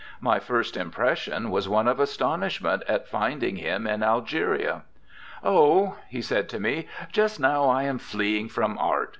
My first impression was one of astonishment at finding him in Algeria. 'Oh,' he said to me, 'just now I am fleeing from art.